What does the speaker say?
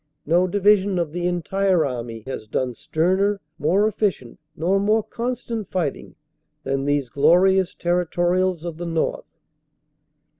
No division of the entire army has done sterner, more efficient, nor more constant righting than these glorious Territorials of the North."